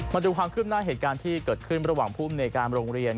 มาดูความคืบหน้าเหตุการณ์ที่เกิดขึ้นระหว่างภูมิในการโรงเรียน